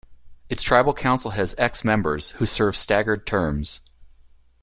Its tribal council has x members, who serve staggered terms.